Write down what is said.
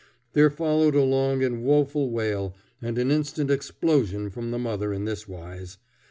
There followed a long and woful wail and an instant explosion from the mother in this wise.